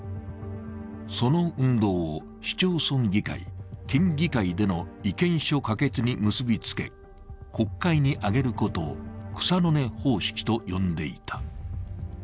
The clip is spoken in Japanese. その運動を市町村議会、県議会での意見書可決に結びつけ、国会に上げることを草の根方式と呼んでいた。